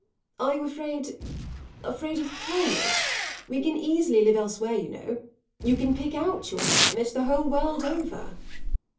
Are you afraid afraid of the climate? We can easily live elsewhere, you know. You can pick out your climate, the whole world over."